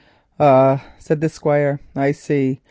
"Ah," said the Squire, "I see.